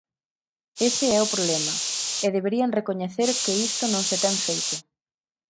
Ese é o problema, e deberían recoñecer que isto non se ten feito.